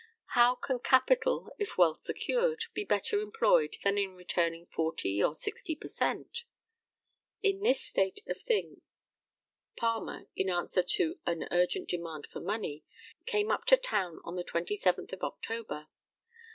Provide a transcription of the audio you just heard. How can capital, if well secured, be better employed than in returning 40 or 60 per cent.? In this state of things Palmer, in answer to an urgent demand for money, came up to town on the 27th of October.